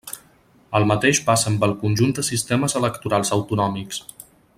El mateix passa amb el conjunt de sistemes electorals autonòmics.